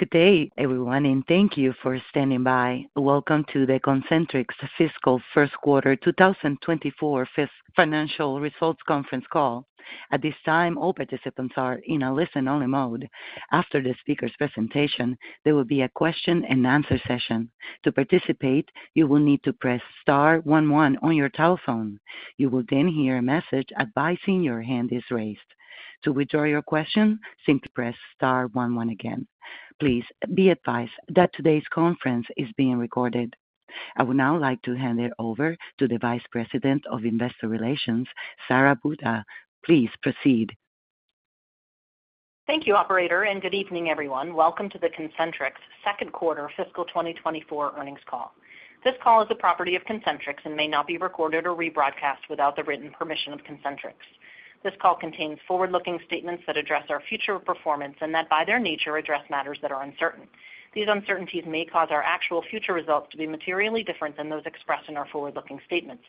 Good day, everyone, and thank you for standing by. Welcome to the Concentrix fiscal first quarter 2024 financial results conference call. At this time, all participants are in a listen-only mode. After the speaker's presentation, there will be a question-and-answer session. To participate, you will need to press star one one on your telephone. You will then hear a message advising your hand is raised. To withdraw your question, simply press star one one again. Please be advised that today's conference is being recorded. I would now like to hand it over to the Vice President of Investor Relations, Sara Buda. Please proceed. Thank you, Operator, and good evening, everyone. Welcome to the Concentrix second quarter fiscal 2024 earnings call. This call is the property of Concentrix and may not be recorded or rebroadcast without the written permission of Concentrix. This call contains forward-looking statements that address our future performance and that, by their nature, address matters that are uncertain. These uncertainties may cause our actual future results to be materially different than those expressed in our forward-looking statements.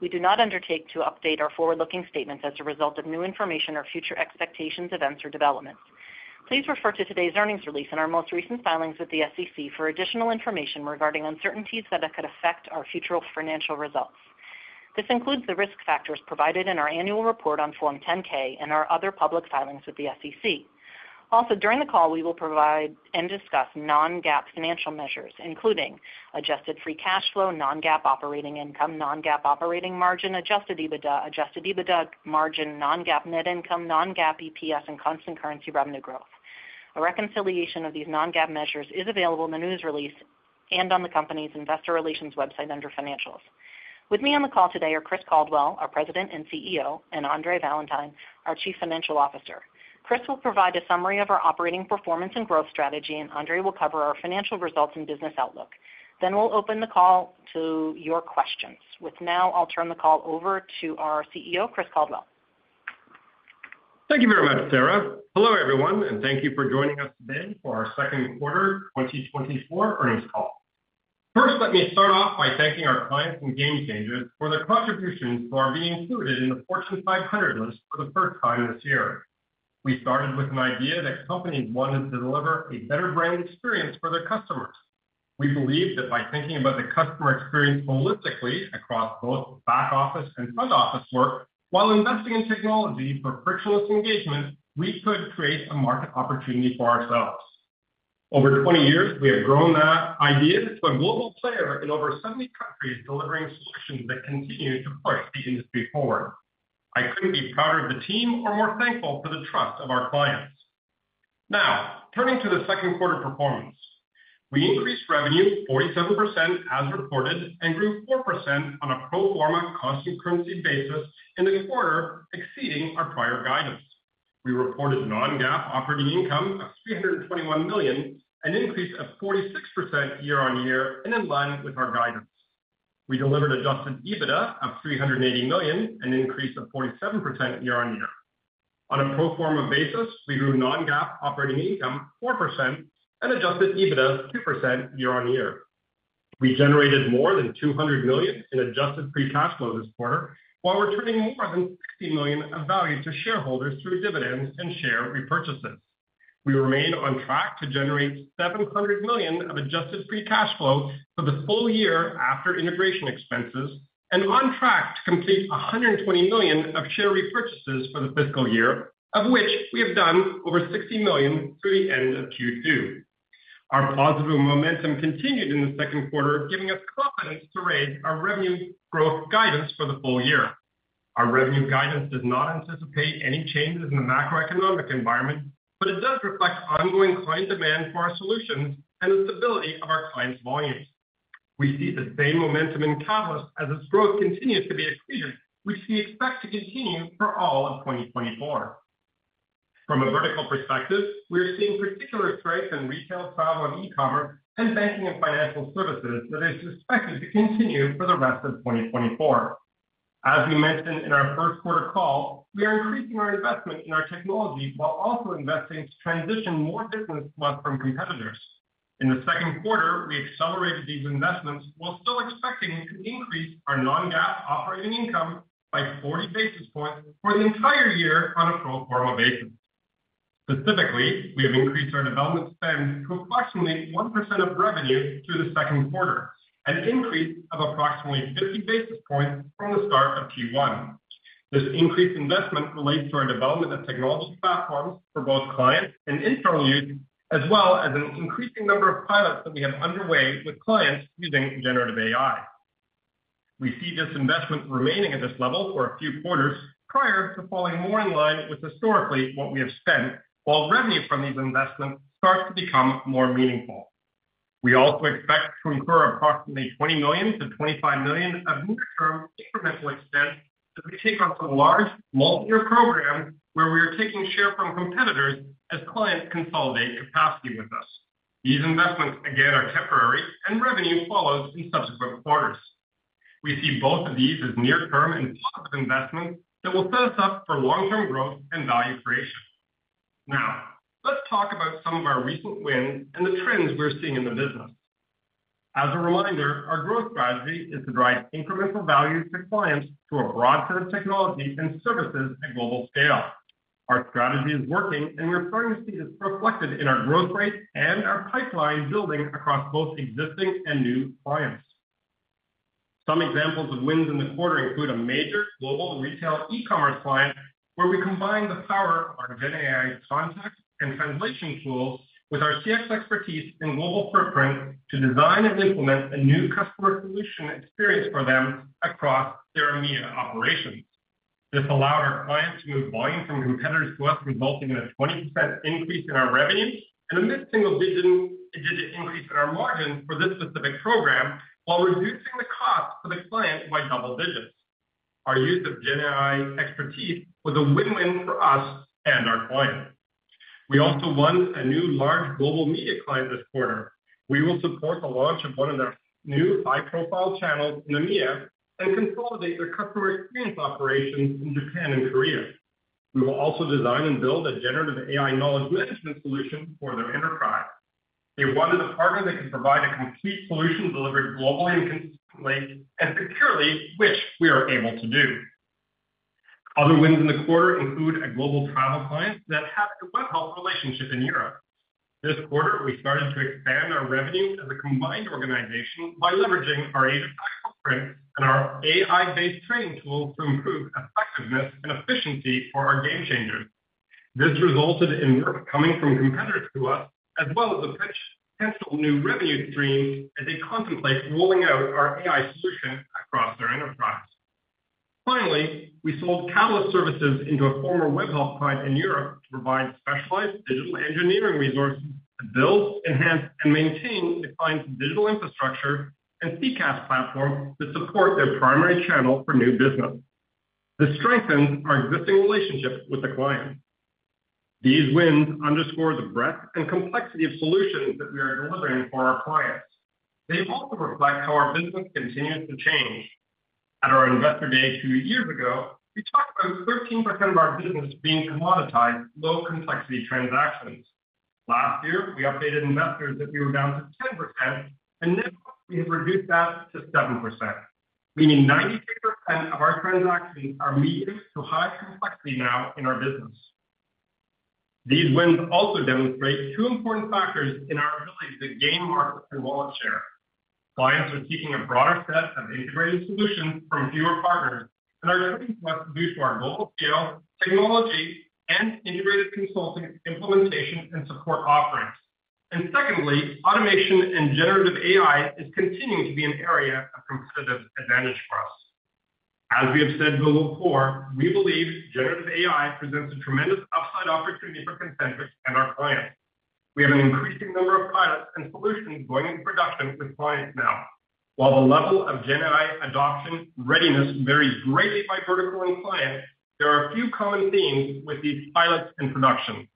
We do not undertake to update our forward-looking statements as a result of new information or future expectations, events, or developments. Please refer to today's earnings release and our most recent filings with the SEC for additional information regarding uncertainties that could affect our future financial results. This includes the risk factors provided in our annual report on Form 10-K and our other public filings with the SEC. Also, during the call, we will provide and discuss non-GAAP financial measures, including adjusted free cash flow, non-GAAP operating income, non-GAAP operating margin, Adjusted EBITDA, Adjusted EBITDA margin, non-GAAP net income, non-GAAP EPS, and constant currency revenue growth. A reconciliation of these non-GAAP measures is available in the news release and on the company's investor relations website under Financials. With me on the call today are Chris Caldwell, our President and CEO, and Andre Valentine, our Chief Financial Officer. Chris will provide a summary of our operating performance and growth strategy, and Andre will cover our financial results and business outlook. Then we'll open the call to your questions. With that now, I'll turn the call over to our CEO, Chris Caldwell. Thank you very much, Sara. Hello, everyone, and thank you for joining us today for our second quarter 2024 earnings call. First, let me start off by thanking our clients and game changers for their contributions to our being included in the Fortune 500 list for the first time this year. We started with an idea that companies wanted to deliver a better brand experience for their customers. We believed that by thinking about the customer experience holistically across both back office and front office work, while investing in technology for frictionless engagement, we could create a market opportunity for ourselves. Over 20 years, we have grown that idea to a global player in over 70 countries delivering solutions that continue to push the industry forward. I couldn't be prouder of the team or more thankful for the trust of our clients. Now, turning to the second quarter performance, we increased revenue 47% as reported and grew 4% on a pro forma constant currency basis in the quarter, exceeding our prior guidance. We reported non-GAAP operating income of $321 million, an increase of 46% year-on-year, and in line with our guidance. We delivered Adjusted EBITDA of $380 million, an increase of 47% year-on-year. On a pro forma basis, we grew non-GAAP operating income 4% and Adjusted EBITDA 2% year-on-year. We generated more than $200 million in adjusted free cash flow this quarter, while returning more than $60 million of value to shareholders through dividends and share repurchases. We remain on track to generate $700 million of adjusted free cash flow for the full year after integration expenses and on track to complete $120 million of share repurchases for the fiscal year, of which we have done over $60 million through the end of Q2. Our positive momentum continued in the second quarter, giving us confidence to raise our revenue growth guidance for the full year. Our revenue guidance does not anticipate any changes in the macroeconomic environment, but it does reflect ongoing client demand for our solutions and the stability of our clients' volumes. We see the same momentum in Catalyst as its growth continues to be exceeded, which we expect to continue for all of 2024. From a vertical perspective, we are seeing particular strength in retail, travel, and e-commerce, and banking and financial services that is expected to continue for the rest of 2024. As we mentioned in our first quarter call, we are increasing our investment in our technology while also investing to transition more business from competitors. In the second quarter, we accelerated these investments while still expecting to increase our non-GAAP operating income by 40 basis points for the entire year on a pro forma basis. Specifically, we have increased our development spend to approximately 1% of revenue through the second quarter, an increase of approximately 50 basis points from the start of Q1. This increased investment relates to our development of technology platforms for both clients and internal use, as well as an increasing number of pilots that we have underway with clients using generative AI. We see this investment remaining at this level for a few quarters prior to falling more in line with historically what we have spent, while revenue from these investments starts to become more meaningful. We also expect to incur approximately $20 million-$25 million of near-term incremental expense as we take on some large multi-year programs where we are taking share from competitors as clients consolidate capacity with us. These investments, again, are temporary, and revenue follows in subsequent quarters. We see both of these as near-term and positive investments that will set us up for long-term growth and value creation. Now, let's talk about some of our recent wins and the trends we're seeing in the business. As a reminder, our growth strategy is to drive incremental value to clients through a broad set of technology and services at global scale. Our strategy is working, and we're starting to see this reflected in our growth rate and our pipeline building across both existing and new clients. Some examples of wins in the quarter include a major global retail e-commerce client where we combined the power of our GenAI contact and translation tools with our CX expertise and global footprint to design and implement a new customer solution experience for them across their media operations. This allowed our clients to move volume from competitors to us, resulting in a 20% increase in our revenue and a mid-single digit increase in our margin for this specific program while reducing the cost for the client by double digits. Our use of GenAI expertise was a win-win for us and our clients. We also won a new large global media client this quarter. We will support the launch of one of their new high-profile channels, in EMEA, and consolidate their customer experience operations in Japan and Korea. We will also design and build a generative AI knowledge management solution for their enterprise. They wanted a partner that could provide a complete solution delivered globally and consistently and securely, which we are able to do. Other wins in the quarter include a global travel client that had a Webhelp relationship in Europe. This quarter, we started to expand our revenue as a combined organization by leveraging our Asia-Pac footprint and our AI-based training tools to improve effectiveness and efficiency for our game changers. This resulted in work coming from competitors to us, as well as a potential new revenue stream as they contemplate rolling out our AI solution across their enterprise. Finally, we sold Catalyst Services into a former Webhelp client in Europe to provide specialized digital engineering resources to build, enhance, and maintain the client's digital infrastructure and CCaaS platform that support their primary channel for new business. This strengthens our existing relationship with the client. These wins underscore the breadth and complexity of solutions that we are delivering for our clients. They also reflect how our business continues to change. At our investor day two years ago, we talked about 13% of our business being commoditized low-complexity transactions. Last year, we updated investors that we were down to 10%, and now we have reduced that to 7%, meaning 93% of our transactions are medium to high complexity now in our business. These wins also demonstrate two important factors in our ability to gain markets and wallet share. Clients are seeking a broader set of integrated solutions from fewer partners and are turning to us to boost our global scale, technology, and integrated consulting implementation and support offerings. And secondly, automation and generative AI is continuing to be an area of competitive advantage for us. As we have said before, we believe generative AI presents a tremendous upside opportunity for Concentrix and our clients. We have an increasing number of pilots and solutions going into production with clients now. While the level of GenAI adoption readiness varies greatly by vertical and client, there are a few common themes with these pilots in production.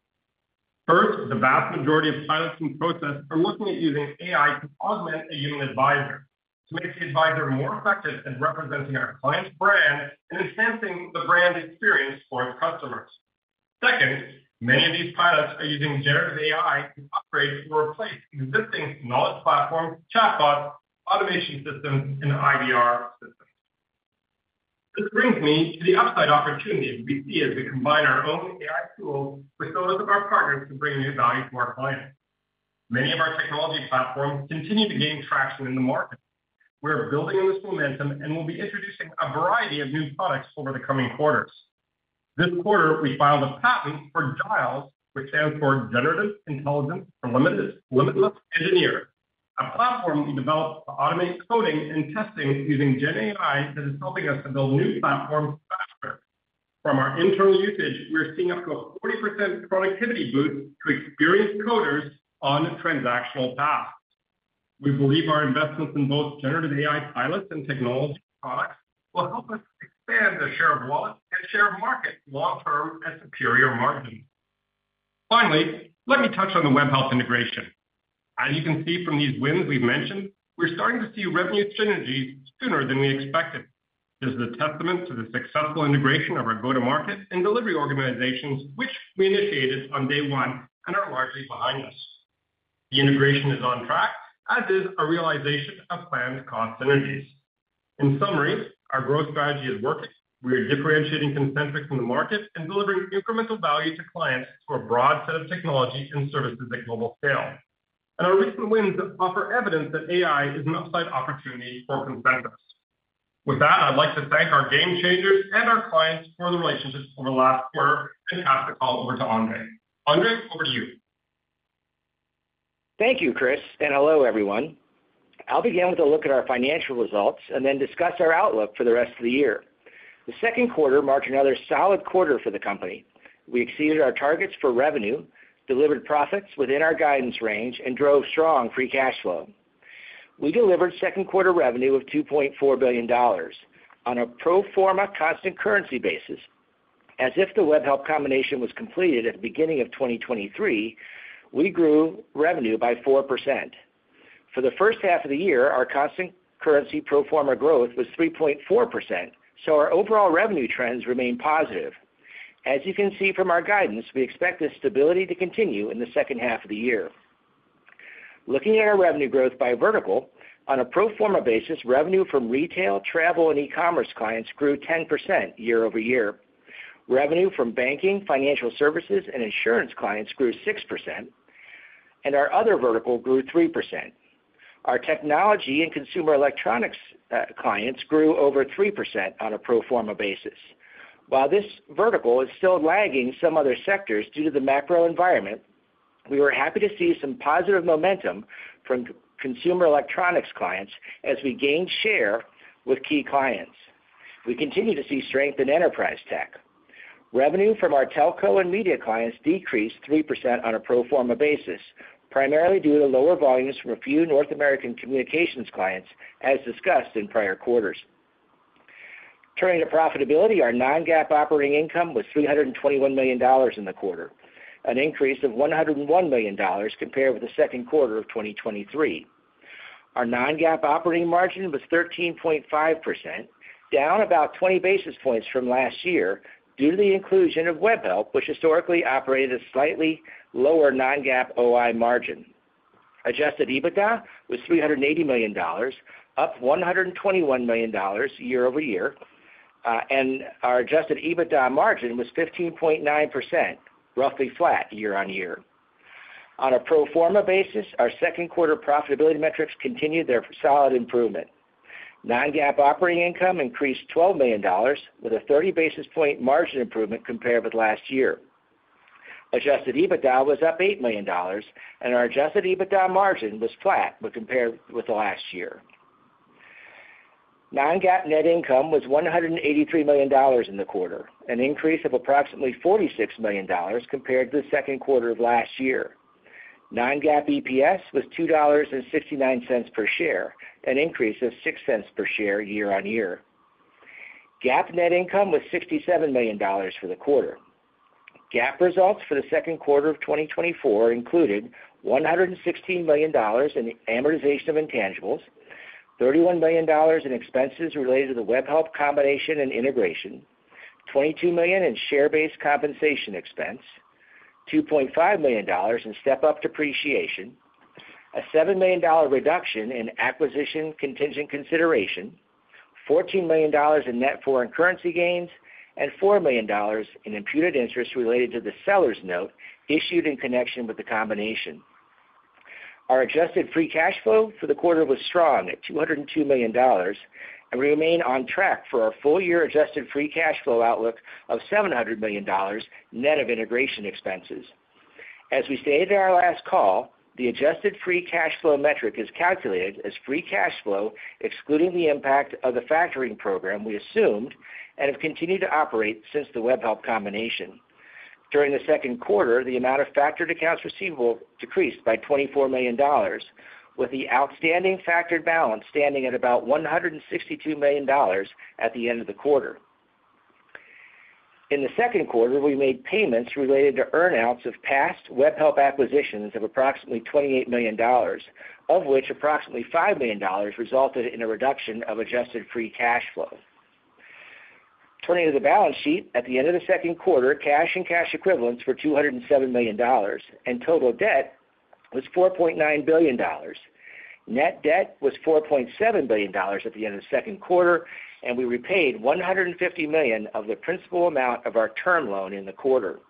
First, the vast majority of pilots in process are looking at using AI to augment a human advisor to make the advisor more effective at representing our client's brand and enhancing the brand experience for its customers. Second, many of these pilots are using generative AI to upgrade or replace existing knowledge platforms, chatbots, automation systems, and IVR systems. This brings me to the upside opportunity we see as we combine our own AI tools with those of our partners to bring new value to our clients. Many of our technology platforms continue to gain traction in the market. We are building on this momentum and will be introducing a variety of new products over the coming quarters. This quarter, we filed a patent for GILES, which stands for Generative Intelligence for Limitless Engineers, a platform we developed to automate coding and testing using GenAI that is helping us to build new platforms faster. From our internal usage, we are seeing up to a 40% productivity boost to experienced coders on transactional tasks. We believe our investments in both generative AI pilots and technology products will help us expand the share of wallet and share of market long-term at superior margins. Finally, let me touch on the Webhelp integration. As you can see from these wins we've mentioned, we're starting to see revenue synergies sooner than we expected. This is a testament to the successful integration of our go-to-market and delivery organizations, which we initiated on day one and are largely behind us. The integration is on track, as is a realization of planned cost synergies. In summary, our growth strategy is working. We are differentiating Concentrix in the market and delivering incremental value to clients through a broad set of technology and services at global scale. Our recent wins offer evidence that AI is an upside opportunity for Concentrix. With that, I'd like to thank our game changers and our clients for the relationship over the last quarter and pass the call over to Andre. Andre, over to you. Thank you, Chris, and hello, everyone. I'll begin with a look at our financial results and then discuss our outlook for the rest of the year. The second quarter marked another solid quarter for the company. We exceeded our targets for revenue, delivered profits within our guidance range, and drove strong free cash flow. We delivered second quarter revenue of $2.4 billion on a pro forma constant currency basis. As if the Webhelp combination was completed at the beginning of 2023, we grew revenue by 4%. For the first half of the year, our constant currency pro forma growth was 3.4%, so our overall revenue trends remain positive. As you can see from our guidance, we expect this stability to continue in the second half of the year. Looking at our revenue growth by vertical, on a pro forma basis, revenue from retail, travel, and e-commerce clients grew 10% year-over-year. Revenue from banking, financial services, and insurance clients grew 6%, and our other vertical grew 3%. Our technology and consumer electronics clients grew over 3% on a pro forma basis. While this vertical is still lagging some other sectors due to the macro environment, we were happy to see some positive momentum from consumer electronics clients as we gained share with key clients. We continue to see strength in enterprise tech. Revenue from our telco and media clients decreased 3% on a pro forma basis, primarily due to lower volumes from a few North American communications clients, as discussed in prior quarters. Turning to profitability, our non-GAAP operating income was $321 million in the quarter, an increase of $101 million compared with the second quarter of 2023. Our non-GAAP operating margin was 13.5%, down about 20 basis points from last year due to the inclusion of Webhelp, which historically operated a slightly lower non-GAAP OI margin. Adjusted EBITDA was $380 million, up $121 million year-over-year, and our Adjusted EBITDA margin was 15.9%, roughly flat year-on-year. On a pro forma basis, our second quarter profitability metrics continued their solid improvement. Non-GAAP operating income increased $12 million, with a 30 basis point margin improvement compared with last year. Adjusted EBITDA was up $8 million, and our Adjusted EBITDA margin was flat when compared with the last year. Non-GAAP net income was $183 million in the quarter, an increase of approximately $46 million compared to the second quarter of last year. Non-GAAP EPS was $2.69 per share, an increase of $0.06 per share year-over-year. GAAP net income was $67 million for the quarter. GAAP results for the second quarter of 2024 included $116 million in amortization of intangibles, $31 million in expenses related to the Webhelp combination and integration, $22 million in share-based compensation expense, $2.5 million in step-up depreciation, a $7 million reduction in acquisition contingent consideration, $14 million in net foreign currency gains, and $4 million in imputed interest related to the seller's note issued in connection with the combination. Our adjusted free cash flow for the quarter was strong at $202 million, and we remain on track for our full-year adjusted free cash flow outlook of $700 million net of integration expenses. As we stated in our last call, the adjusted free cash flow metric is calculated as free cash flow excluding the impact of the factoring program we assumed and have continued to operate since the Webhelp combination. During the second quarter, the amount of factored accounts receivable decreased by $24 million, with the outstanding factored balance standing at about $162 million at the end of the quarter. In the second quarter, we made payments related to earnouts of past Webhelp acquisitions of approximately $28 million, of which approximately $5 million resulted in a reduction of adjusted free cash flow. Turning to the balance sheet, at the end of the second quarter, cash and cash equivalents were $207 million, and total debt was $4.9 billion. Net debt was $4.7 billion at the end of the second quarter, and we repaid $150 million of the principal amount of our term loan in the quarter.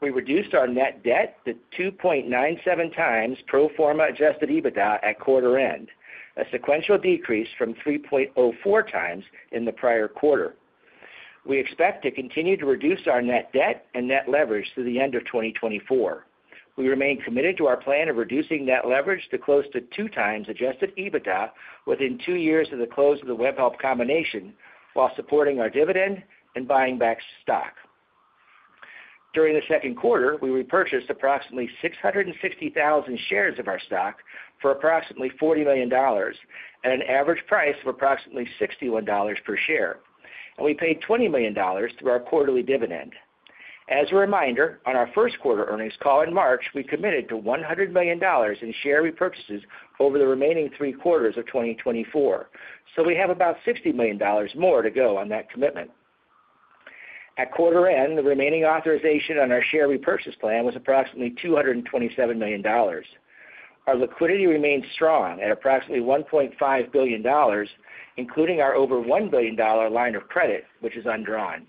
We reduced our net debt to 2.97x pro forma Adjusted EBITDA at quarter end, a sequential decrease from 3.04x in the prior quarter. We expect to continue to reduce our net debt and net leverage through the end of 2024. We remain committed to our plan of reducing net leverage to close to 2x Adjusted EBITDA within two years of the close of the Webhelp combination while supporting our dividend and buying back stock. During the second quarter, we repurchased approximately 660,000 shares of our stock for approximately $40 million at an average price of approximately $61 per share, and we paid $20 million through our quarterly dividend. As a reminder, on our first quarter earnings call in March, we committed to $100 million in share repurchases over the remaining three quarters of 2024, so we have about $60 million more to go on that commitment. At quarter end, the remaining authorization on our share repurchase plan was approximately $227 million. Our liquidity remained strong at approximately $1.5 billion, including our over $1 billion line of credit, which is undrawn.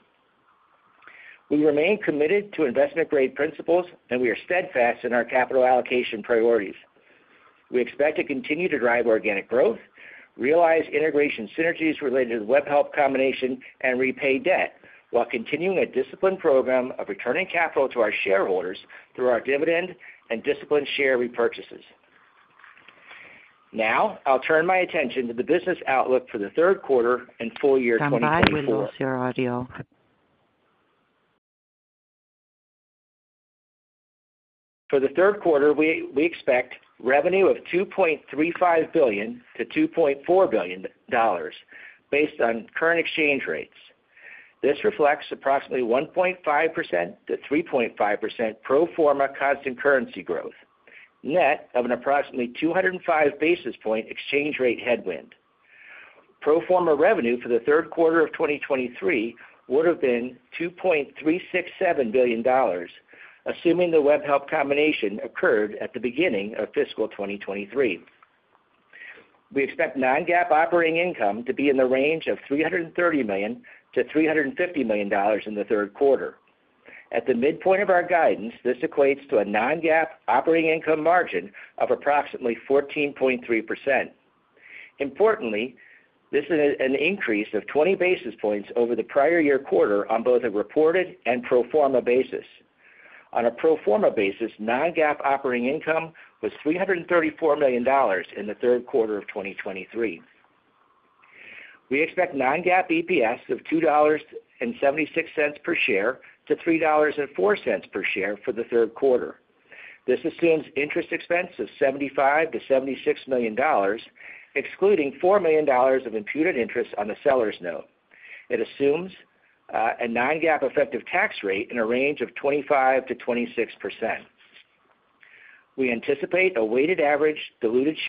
We remain committed to investment-grade principles, and we are steadfast in our capital allocation priorities. We expect to continue to drive organic growth, realize integration synergies related to the Webhelp combination, and repay debt while continuing a disciplined program of returning capital to our shareholders through our dividend and disciplined share repurchases. Now, I'll turn my attention to the business outlook for the third quarter and full year 2024. Combine with no-share audio. For the third quarter, we expect revenue of $2.35 billion-$2.4 billion based on current exchange rates. This reflects approximately 1.5%-3.5% pro forma constant currency growth, net of an approximately 205 basis point exchange rate headwind. Pro forma revenue for the third quarter of 2023 would have been $2.367 billion, assuming the Webhelp combination occurred at the beginning of fiscal 2023. We expect non-GAAP operating income to be in the range of $330 million-$350 million in the third quarter. At the midpoint of our guidance, this equates to a non-GAAP operating income margin of approximately 14.3%. Importantly, this is an increase of 20 basis points over the prior year quarter on both a reported and pro forma basis. On a pro forma basis, non-GAAP operating income was $334 million in the third quarter of 2023. We expect non-GAAP EPS of $2.76-$3.04 per share for the third quarter. This assumes interest expense of $75 million-$76 million, excluding $4 million of imputed interest on the seller's note. It assumes a non-GAAP effective tax rate in a range of 25%-26%. We anticipate a weighted average diluted share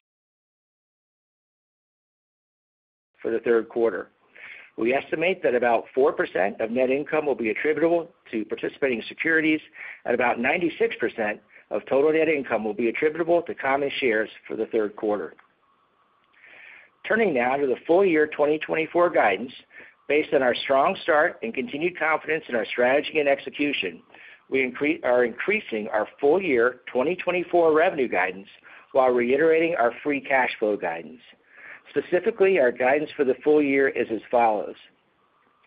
for the third quarter. We estimate that about 4% of net income will be attributable to participating securities, and about 96% of total net income will be attributable to common shares for the third quarter. Turning now to the full year 2024 guidance, based on our strong start and continued confidence in our strategy and execution, we are increasing our full year 2024 revenue guidance while reiterating our free cash flow guidance. Specifically, our guidance for the full year is as follows.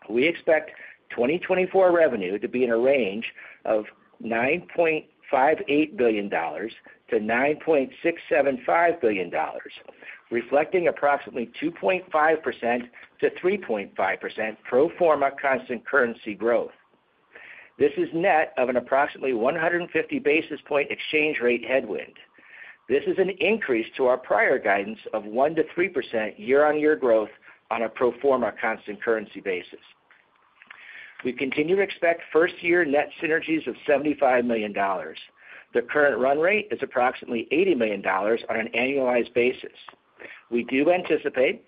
We expect 2024 revenue to be in a range of $9.58 billion-$9.675 billion, reflecting approximately 2.5%-3.5% pro forma constant currency growth. This is net of an approximately 150 basis point exchange rate headwind. This is an increase to our prior guidance of 1%-3% year-on-year growth on a pro forma constant currency basis. We continue to expect first-year net synergies of $75 million. The current run rate is approximately $80 million on an annualized basis. We do anticipate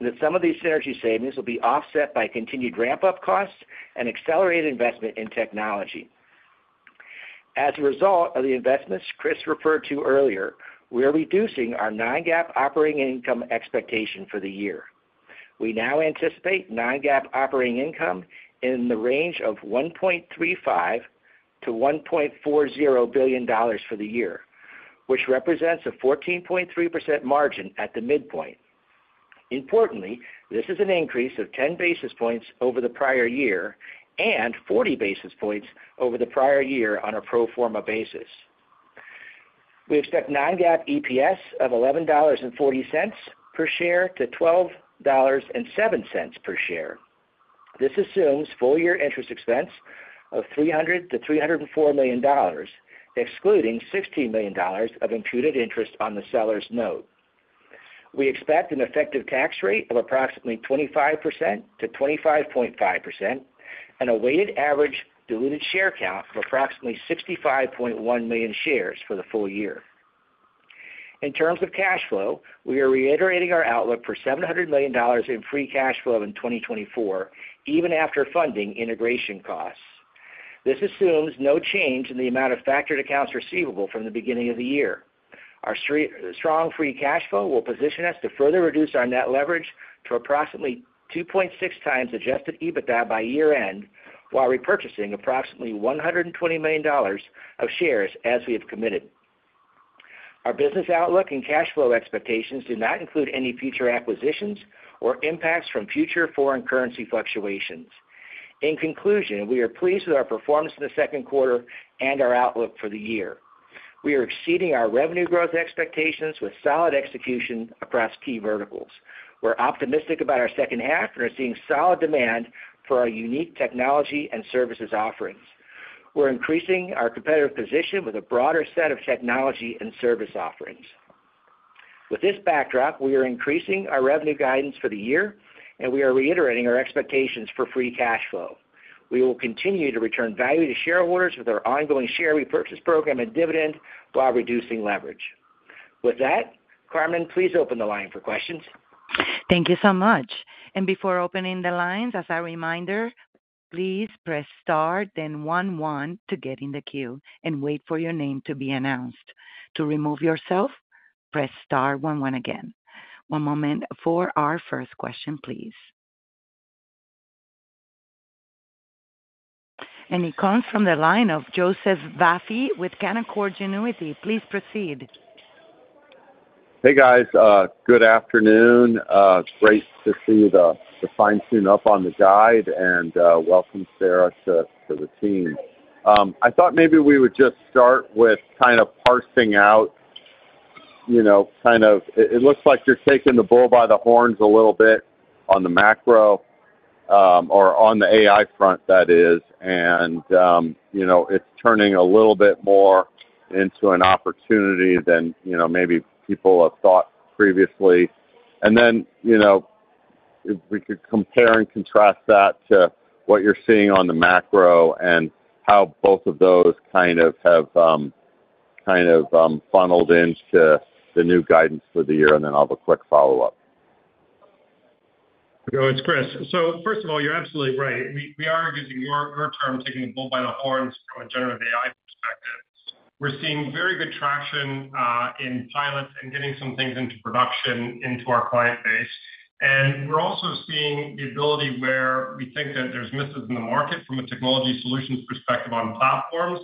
that some of these synergy savings will be offset by continued ramp-up costs and accelerated investment in technology. As a result of the investments Chris referred to earlier, we are reducing our non-GAAP operating income expectation for the year. We now anticipate non-GAAP operating income in the range of $1.35 billion-$1.40 billion for the year, which represents a 14.3% margin at the midpoint. Importantly, this is an increase of 10 basis points over the prior year and 40 basis points over the prior year on a pro forma basis. We expect Non-GAAP EPS of $11.40-$12.07 per share. This assumes full-year interest expense of $300 million-$304 million, excluding $16 million of imputed interest on the seller's note. We expect an effective tax rate of approximately 25%-25.5% and a weighted average diluted share count of approximately 65.1 million shares for the full year. In terms of cash flow, we are reiterating our outlook for $700 million in free cash flow in 2024, even after funding integration costs. This assumes no change in the amount of factored accounts receivable from the beginning of the year. Our strong free cash flow will position us to further reduce our net leverage to approximately 2.6x Adjusted EBITDA by year-end while repurchasing approximately $120 million of shares as we have committed. Our business outlook and cash flow expectations do not include any future acquisitions or impacts from future foreign currency fluctuations. In conclusion, we are pleased with our performance in the second quarter and our outlook for the year. We are exceeding our revenue growth expectations with solid execution across key verticals. We're optimistic about our second half and are seeing solid demand for our unique technology and services offerings. We're increasing our competitive position with a broader set of technology and service offerings. With this backdrop, we are increasing our revenue guidance for the year, and we are reiterating our expectations for free cash flow. We will continue to return value to shareholders with our ongoing share repurchase program and dividend while reducing leverage. With that, Carmen, please open the line for questions. Thank you so much. Before opening the lines, as a reminder, please press star, then one one to get in the queue and wait for your name to be announced. To remove yourself, press star, one one again. One moment for our first question, please. It comes from the line of Joseph Vafi with Canaccord Genuity. Please proceed. Hey, guys. Good afternoon. Great to see the fine-tune up on the guide, and welcome, Sara, to the team. I thought maybe we would just start with kind of parsing out, you know, kind of it looks like you're taking the bull by the horns a little bit on the macro, or on the AI front, that is, and, you know, it's turning a little bit more into an opportunity than, you know, maybe people have thought previously. And then, you know, if we could compare and contrast that to what you're seeing on the macro and how both of those kind of have kind of funneled into the new guidance for the year, and then I'll have a quick follow-up. It's Chris. So first of all, you're absolutely right. We are using your term, taking the bull by the horns from a generative AI perspective. We're seeing very good traction in pilots and getting some things into production into our client base. And we're also seeing the ability where we think that there's misses in the market from a technology solutions perspective on platforms,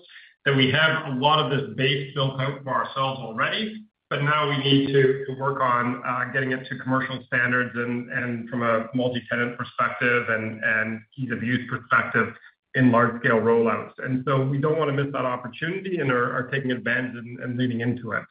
that we have a lot of this base built out for ourselves already, but now we need to work on getting it to commercial standards and from a multi-tenant perspective and ease-of-use perspective in large-scale rollouts. And so we don't want to miss that opportunity and are taking advantage and leaning into it.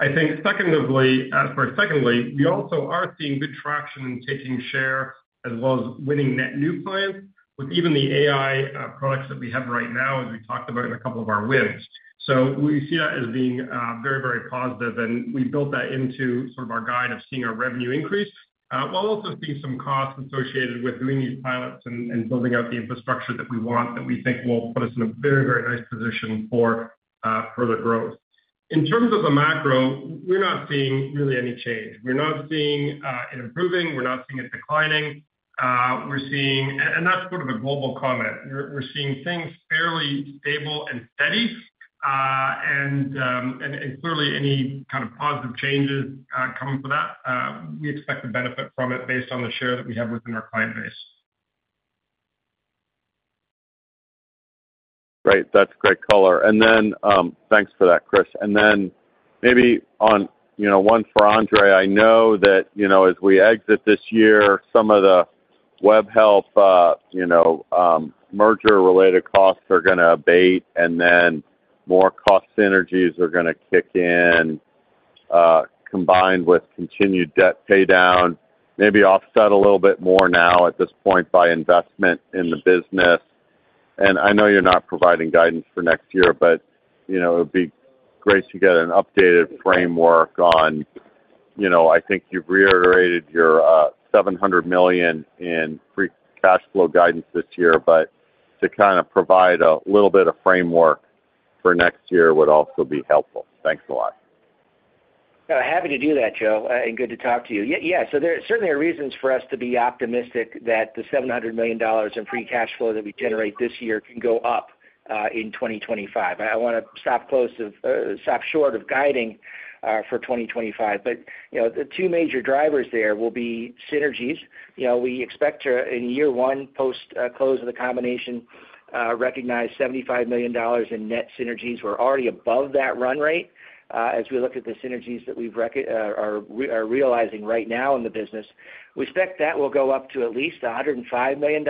I think, secondly, sorry, secondly, we also are seeing good traction in taking share as well as winning net new clients with even the AI products that we have right now, as we talked about in a couple of our wins. So we see that as being very, very positive, and we built that into sort of our guide of seeing our revenue increase while also seeing some costs associated with doing these pilots and building out the infrastructure that we want that we think will put us in a very, very nice position for further growth. In terms of the macro, we're not seeing really any change. We're not seeing it improving. We're not seeing it declining. We're seeing, and that's sort of a global comment. We're seeing things fairly stable and steady, and clearly any kind of positive changes coming for that, we expect to benefit from it based on the share that we have within our client base. Right. That's great color. And then thanks for that, Chris. And then maybe on one for Andre, I know that, you know, as we exit this year, some of the Webhelp, you know, merger-related costs are going to abate, and then more cost synergies are going to kick in combined with continued debt paydown, maybe offset a little bit more now at this point by investment in the business. And I know you're not providing guidance for next year, but, you know, it would be great to get an updated framework on, you know, I think you've reiterated your $700 million in free cash flow guidance this year, but to kind of provide a little bit of framework for next year would also be helpful. Thanks a lot. Happy to do that, Joe, and good to talk to you. Yeah, so there certainly are reasons for us to be optimistic that the $700 million in free cash flow that we generate this year can go up in 2025. I want to stop short of guiding for 2025, but, you know, the two major drivers there will be synergies. You know, we expect in year one post-closing of the combination, recognize $75 million in net synergies. We're already above that run rate as we look at the synergies that we are realizing right now in the business. We expect that will go up to at least $105 million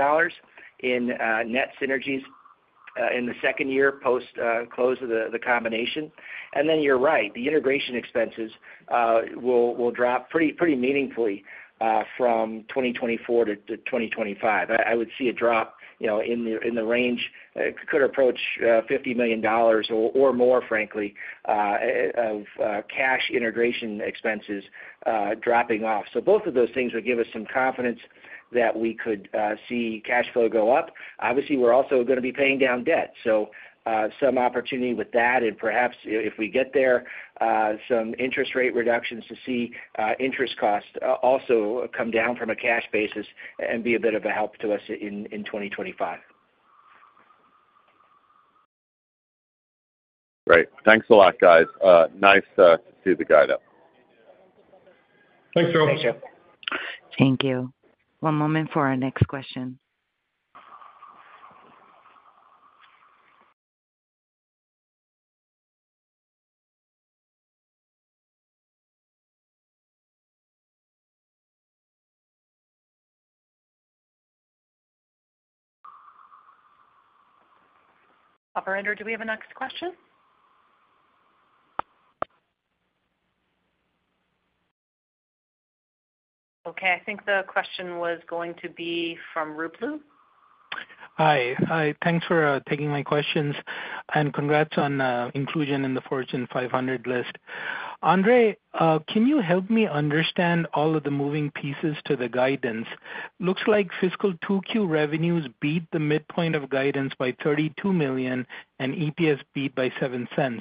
in net synergies in the second year post-closing of the combination. And then you're right, the integration expenses will drop pretty meaningfully from 2024-2025. I would see a drop, you know, in the range. It could approach $50 million or more, frankly, of cash integration expenses dropping off. So both of those things would give us some confidence that we could see cash flow go up. Obviously, we're also going to be paying down debt, so some opportunity with that, and perhaps if we get there, some interest rate reductions to see interest costs also come down from a cash basis and be a bit of a help to us in 2025. Great. Thanks a lot, guys. Nice to see the guidance. Thanks, Joe. Thank you. Thank you. One moment for our next question. Operator, do we have a next question? Okay. I think the question was going to be from Ruplu. Hi. Thanks for taking my questions and congrats on inclusion in the Fortune 500 list. Andre, can you help me understand all of the moving pieces to the guidance? Looks like fiscal 2Q revenues beat the midpoint of guidance by $32 million and EPS beat by $0.07,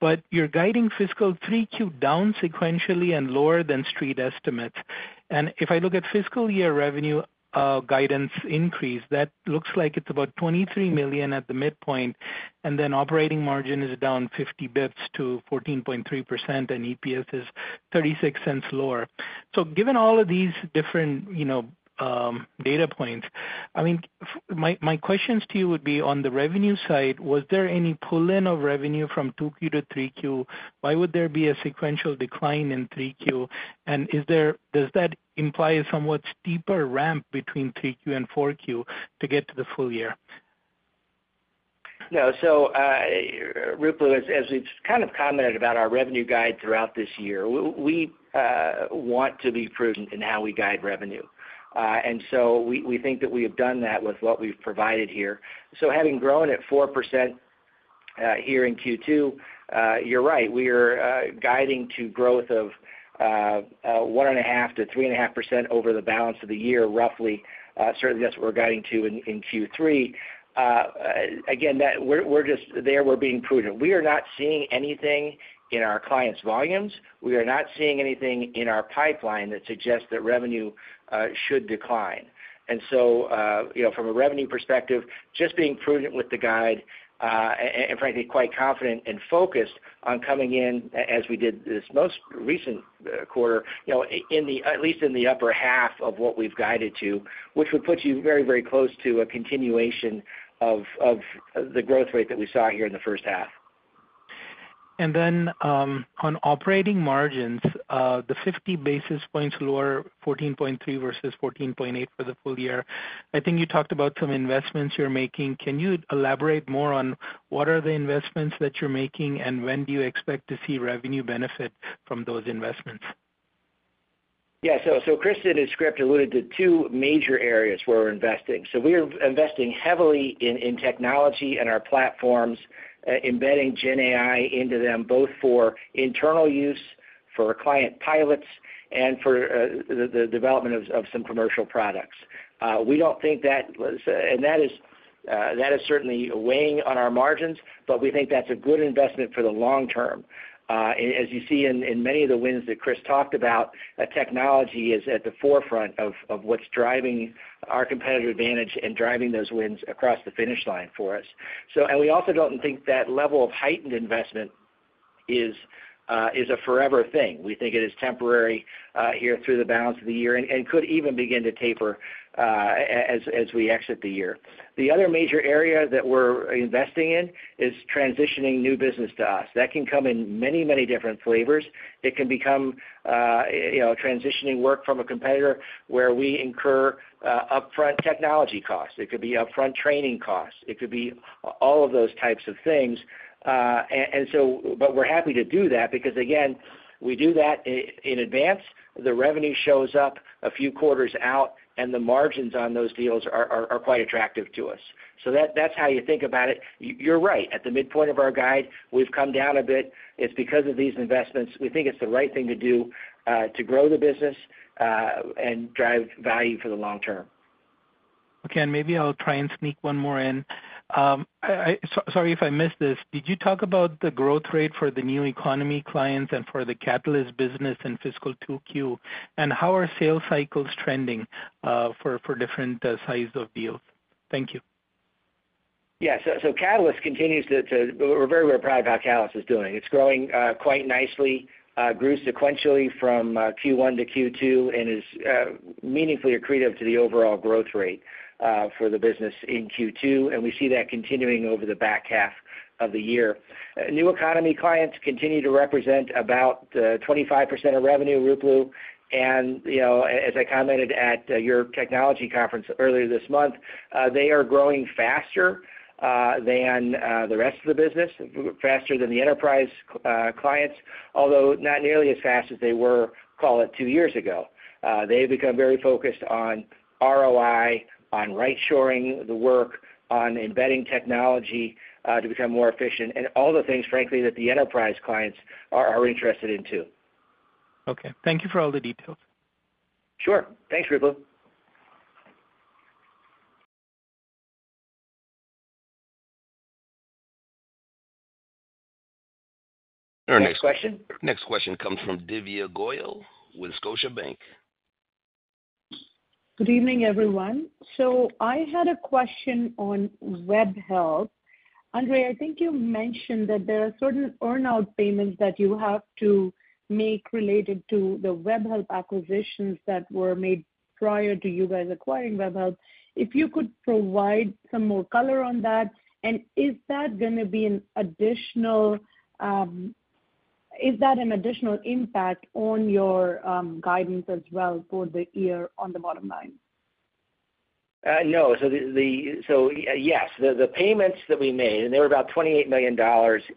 but you're guiding fiscal 3Q down sequentially and lower than street estimates. And if I look at fiscal year revenue guidance increase, that looks like it's about $23 million at the midpoint, and then operating margin is down 50 basis points to 14.3% and EPS is $0.36 lower. So given all of these different, you know, data points, I mean, my questions to you would be on the revenue side, was there any pull-in of revenue from 2Q to 3Q? Why would there be a sequential decline in 3Q? Does that imply a somewhat steeper ramp between 3Q and 4Q to get to the full year? Yeah. So Ruplu, as we've kind of commented about our revenue guide throughout this year, we want to be prudent in how we guide revenue. And so we think that we have done that with what we've provided here. So having grown at 4% here in Q2, you're right, we are guiding to growth of 1.5%-3.5% over the balance of the year, roughly. Certainly, that's what we're guiding to in Q3. Again, we're just there. We're being prudent. We are not seeing anything in our clients' volumes. We are not seeing anything in our pipeline that suggests that revenue should decline. And so, you know, from a revenue perspective, just being prudent with the guide and, frankly, quite confident and focused on coming in, as we did this most recent quarter, you know, at least in the upper half of what we've guided to, which would put you very, very close to a continuation of the growth rate that we saw here in the first half. Then on operating margins, the 50 basis points lower, 14.3% versus 14.8% for the full year. I think you talked about some investments you're making. Can you elaborate more on what are the investments that you're making and when do you expect to see revenue benefit from those investments? Yeah. So Chris did his script and alluded to two major areas where we're investing. So we're investing heavily in technology and our platforms, embedding GenAI into them, both for internal use, for client pilots, and for the development of some commercial products. We don't think that, and that is certainly weighing on our margins, but we think that's a good investment for the long term. As you see in many of the wins that Chris talked about, technology is at the forefront of what's driving our competitive advantage and driving those wins across the finish line for us. So, and we also don't think that level of heightened investment is a forever thing. We think it is temporary here through the balance of the year and could even begin to taper as we exit the year. The other major area that we're investing in is transitioning new business to us. That can come in many, many different flavors. It can become, you know, transitioning work from a competitor where we incur upfront technology costs. It could be upfront training costs. It could be all of those types of things. And so, but we're happy to do that because, again, we do that in advance. The revenue shows up a few quarters out, and the margins on those deals are quite attractive to us. So that's how you think about it. You're right. At the midpoint of our guide, we've come down a bit. It's because of these investments. We think it's the right thing to do to grow the business and drive value for the long term. Okay. And maybe I'll try and sneak one more in. Sorry if I missed this. Did you talk about the growth rate for the new economy clients and for the Catalyst business in fiscal 2Q? And how are sales cycles trending for different sizes of deals? Thank you. Yeah. So Catalyst continues to, we're very, very proud of how Catalyst is doing. It's growing quite nicely, grew sequentially from Q1 to Q2 and is meaningfully accretive to the overall growth rate for the business in Q2. And we see that continuing over the back half of the year. New economy clients continue to represent about 25% of revenue, Ruplu. And, you know, as I commented at your technology conference earlier this month, they are growing faster than the rest of the business, faster than the enterprise clients, although not nearly as fast as they were, call it, two years ago. They have become very focused on ROI, on right-shoring the work, on embedding technology to become more efficient, and all the things, frankly, that the enterprise clients are interested in too. Okay. Thank you for all the details. Sure. Thanks, Ruplu. Next question comes from Divya Goyal with Scotiabank. Good evening, everyone. So I had a question on Webhelp. Andre, I think you mentioned that there are certain earn-out payments that you have to make related to the Webhelp acquisitions that were made prior to you guys acquiring Webhelp. If you could provide some more color on that, and is that going to be an additional, is that an additional impact on your guidance as well for the year on the bottom line? No. So yes, the payments that we made, and they were about $28 million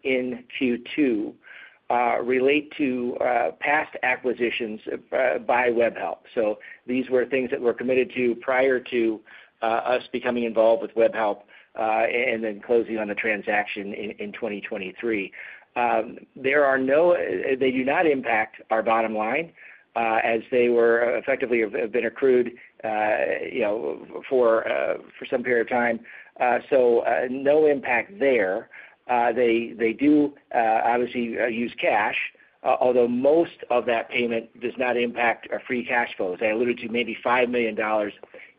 in Q2, relate to past acquisitions by Webhelp. So these were things that were committed to prior to us becoming involved with Webhelp and then closing on the transaction in 2023. There are no, they do not impact our bottom line as they were effectively have been accrued, you know, for some period of time. So no impact there. They do obviously use cash, although most of that payment does not impact our free cash flows. I alluded to maybe $5 million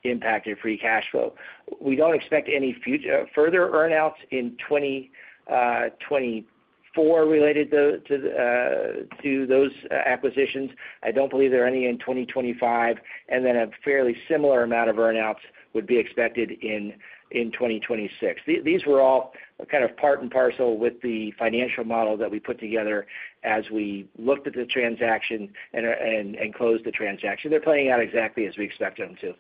impacted free cash flow. We don't expect any further earn-outs in 2024 related to those acquisitions. I don't believe there are any in 2025. And then a fairly similar amount of earn-outs would be expected in 2026. These were all kind of part and parcel with the financial model that we put together as we looked at the transaction and closed the transaction. They're playing out exactly as we expected them to.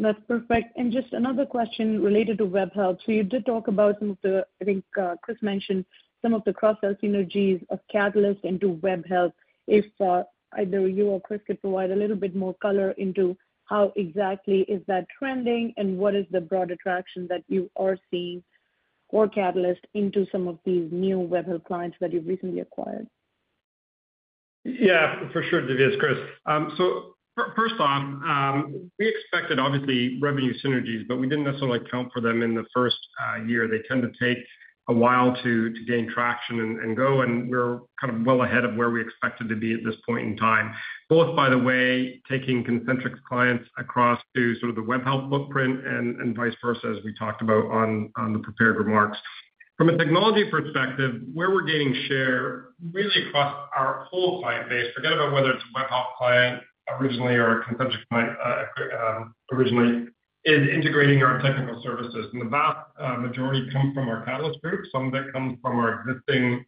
That's perfect. And just another question related to Webhelp. So you did talk about some of the, I think Chris mentioned some of the cross-sales synergies of Catalyst into Webhelp. If either you or Chris could provide a little bit more color into how exactly is that trending and what is the broad attraction that you are seeing for Catalyst into some of these new Webhelp clients that you've recently acquired? Yeah, for sure, Divya, it's Chris. So first off, we expected obviously revenue synergies, but we didn't necessarily account for them in the first year. They tend to take a while to gain traction and go, and we're kind of well ahead of where we expected to be at this point in time, both by the way, taking Concentrix clients across to sort of the Webhelp footprint and vice versa, as we talked about on the prepared remarks. From a technology perspective, where we're gaining share really across our whole client base, forget about whether it's a Webhelp client originally or a Concentrix client originally, is integrating our technical services. And the vast majority come from our Catalyst group, some of it comes from our existing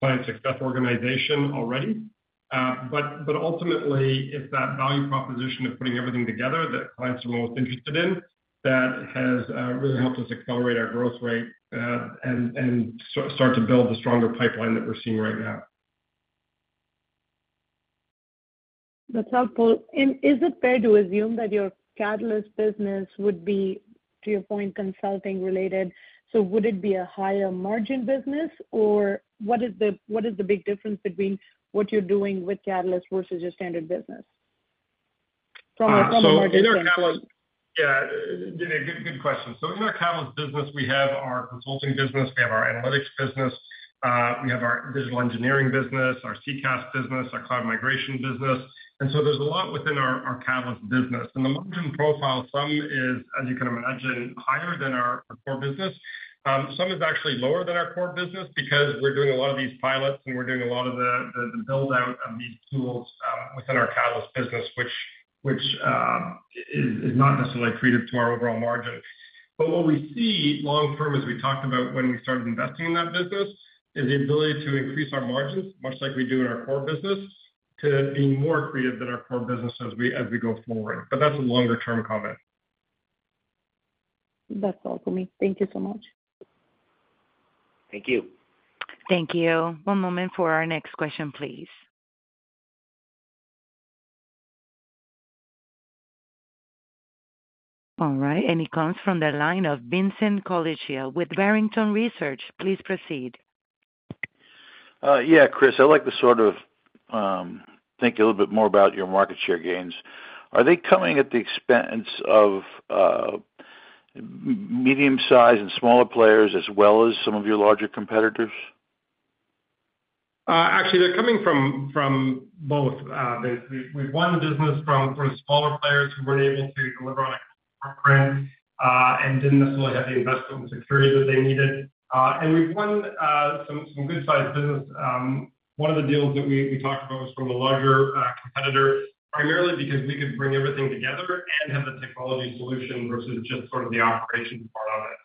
client success organization already. Ultimately, it's that value proposition of putting everything together that clients are most interested in that has really helped us accelerate our growth rate and start to build the stronger pipeline that we're seeing right now. That's helpful. Is it fair to assume that your Catalyst business would be, to your point, consulting related? Would it be a higher margin business, or what is the big difference between what you're doing with Catalyst versus your standard business? From a margin perspective? So in our Catalyst, yeah, good question. So in our Catalyst business, we have our consulting business, we have our analytics business, we have our digital engineering business, our CCaaS business, our cloud migration business. And so there's a lot within our Catalyst business. And the margin profile, some is, as you can imagine, higher than our core business. Some is actually lower than our core business because we're doing a lot of these pilots and we're doing a lot of the build-out of these tools within our Catalyst business, which is not necessarily accretive to our overall margin. But what we see long term, as we talked about when we started investing in that business, is the ability to increase our margins, much like we do in our core business, to be more accretive than our core business as we go forward. But that's a longer-term comment. That's all for me. Thank you so much. Thank you. Thank you. One moment for our next question, please. All right. And he comes from the line of Vincent Colicchio with Barrington Research. Please proceed. Yeah, Chris, I'd like to sort of think a little bit more about your market share gains. Are they coming at the expense of medium-sized and smaller players as well as some of your larger competitors? Actually, they're coming from both. We've won business from smaller players who weren't able to deliver on a footprint and didn't necessarily have the investment and security that they needed. And we've won some good-sized business. One of the deals that we talked about was from a larger competitor, primarily because we could bring everything together and have the technology solution versus just sort of the operations part of it.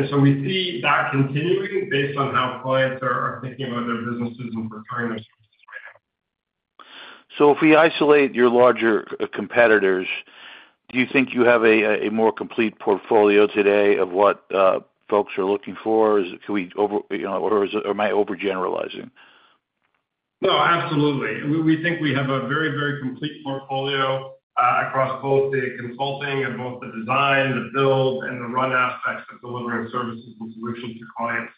And so we see that continuing based on how clients are thinking about their businesses and preparing their services right now. So if we isolate your larger competitors, do you think you have a more complete portfolio today of what folks are looking for? Or am I over-generalizing? No, absolutely. We think we have a very, very complete portfolio across both the consulting and both the design, the build, and the run aspects of delivering services and solutions to clients.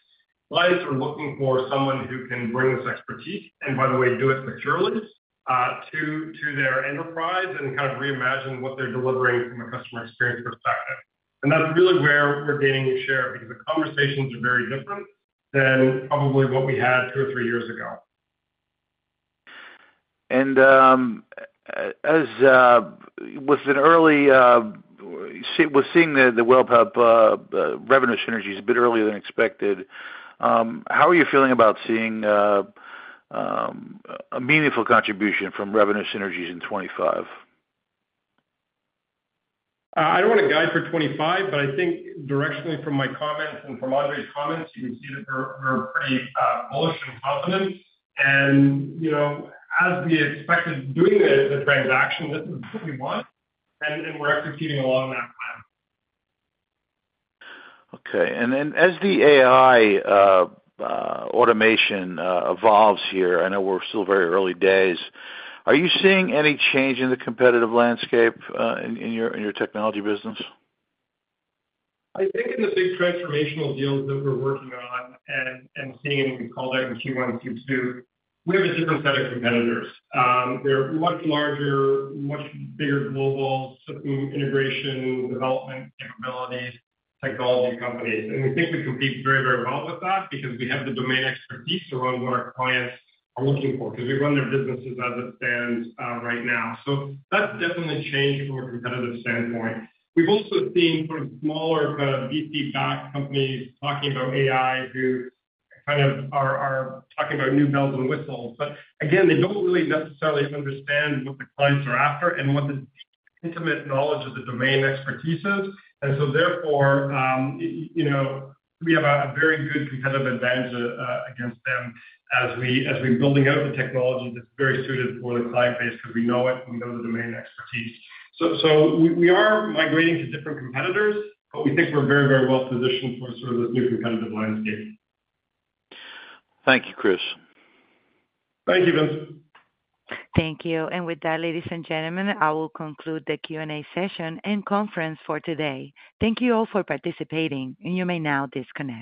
Clients are looking for someone who can bring this expertise and, by the way, do it securely to their enterprise and kind of reimagine what they're delivering from a customer experience perspective. And that's really where we're gaining a share because the conversations are very different than probably what we had two or three years ago. With seeing the Webhelp revenue synergies a bit earlier than expected, how are you feeling about seeing a meaningful contribution from revenue synergies in 2025? I don't want to guide for 2025, but I think directionally from my comments and from Andre's comments, you can see that we're pretty bullish and confident. And, you know, as we expected doing the transaction, this is what we want, and we're executing along that plan. Okay. And then as the AI automation evolves here, I know we're still very early days, are you seeing any change in the competitive landscape in your technology business? I think in the big transformational deals that we're working on and seeing a comeback in Q1 and Q2, we have a different set of competitors. They're much larger, much bigger global integration development capabilities, technology companies. We think we compete very, very well with that because we have the domain expertise around what our clients are looking for because we run their businesses as it stands right now. So that's definitely changed from a competitive standpoint. We've also seen sort of smaller kind of VC-backed companies talking about AI who kind of are talking about new bells and whistles. But again, they don't really necessarily understand what the clients are after and what the intimate knowledge of the domain expertise is. And so therefore, you know, we have a very good competitive advantage against them as we're building out the technology that's very suited for the client base because we know it, we know the domain expertise. So we are migrating to different competitors, but we think we're very, very well positioned for sort of this new competitive landscape. Thank you, Chris. Thank you, Vince. Thank you. With that, ladies and gentlemen, I will conclude the Q&A session and conference for today. Thank you all for participating, and you may now disconnect.